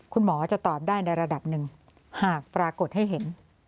คุณหมอจะตอบได้ในระดับหนึ่งหากปรากฏให้เห็น